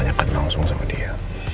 tanya kenang semua sama dia